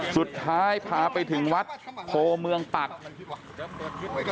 สุดท้ายพาไปถึงวัดโพเมืองตัก